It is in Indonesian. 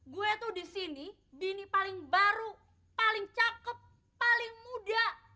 gue tuh di sini bini paling baru paling cakep paling muda